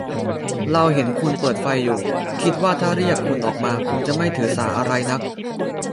เราเห็นคุณเปิดไฟอยู่ คิดว่าถ้าเรียกคุณออกมาคงจะไม่ถือสาอะไรนัก